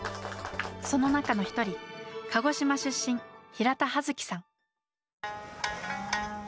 その中の一人鹿児島出身平田葉月さん。